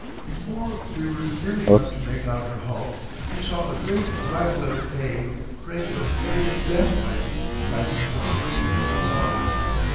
Before we were near enough to make out her hulk, we saw a great black letter A, framed of heavy gas pipe, rising forty feet above the water.